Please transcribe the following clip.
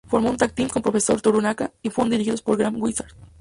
Formó un tag team con Professor Toru Tanaka y fueron dirigidos por Grand Wizard.